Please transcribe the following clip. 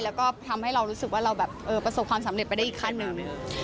แล้วก็ทำให้เรารู้สึกว่าเราแบบประสบความสำเร็จไปได้อีกขั้นหนึ่ง